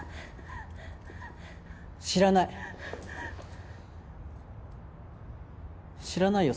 知らない知らないよ